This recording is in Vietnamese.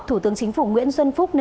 thủ tướng chính phủ nguyễn văn nguyên